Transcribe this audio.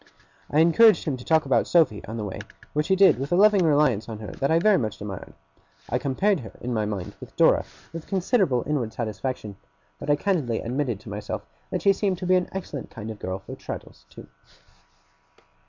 I encouraged him to talk about Sophy, on the way; which he did with a loving reliance on her that I very much admired. I compared her in my mind with Dora, with considerable inward satisfaction; but I candidly admitted to myself that she seemed to be an excellent kind of girl for Traddles, too.